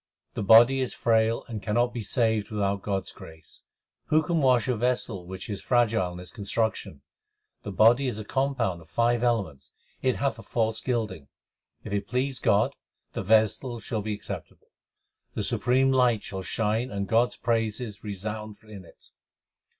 The body is frail and cannot be saved without God s grace : Who can wash a vessel which is fragile in its construction ? The body is a compound of five elements ; it hath a false gilding. If it please God, the vessel shall be acceptable ; The supreme light shall shine and God s praises resound in it.